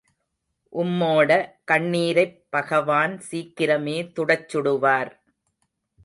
உம்மோட கண்ணீரைப் பகவான் சீக்கிரமே துடைச்சுடுவார்.